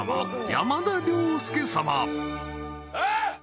山田涼介様